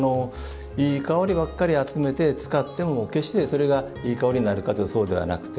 いい香りばっかり集めて使っても決してそれがいい香りになるかというとそうではなくて。